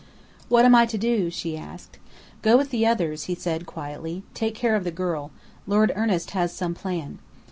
"What am I to do?" she asked. "Go with the others," he said, quietly. "Take care of the girl. Lord Ernest has some plan."